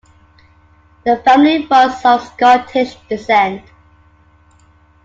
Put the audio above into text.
The family was of Scottish descent.